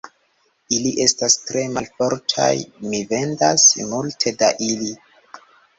Ili estas tre malfortaj; mi vendas multe da ili.